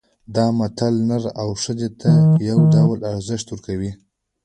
دا متل نر او ښځې ته یو ډول ارزښت ورکوي